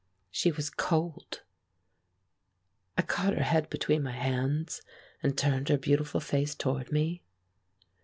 She was cold. I caught her head between my hands, and turned her beautiful face toward me.